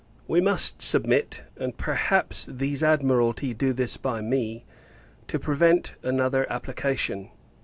We must submit; and, perhaps, these Admiralty do this by me, to prevent another application.